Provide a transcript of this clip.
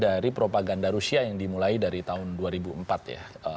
jadi propaganda rusia yang dimulai dari tahun dua ribu empat ya